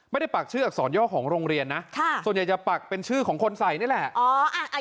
ปักชื่ออักษรย่อของโรงเรียนนะส่วนใหญ่จะปักเป็นชื่อของคนใส่นี่แหละ